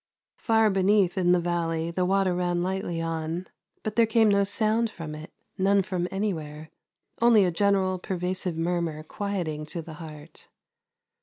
Far beneath in the valley the water ran lightly on, but there came no sound from it, none from anywhere ; only a general pervasive murmur quieting to the heart.